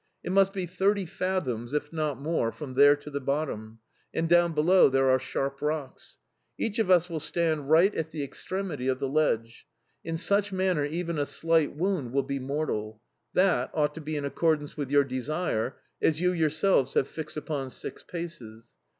It must be thirty fathoms, if not more, from there to the bottom; and, down below, there are sharp rocks. Each of us will stand right at the extremity of the ledge in such manner even a slight wound will be mortal: that ought to be in accordance with your desire, as you yourselves have fixed upon six paces.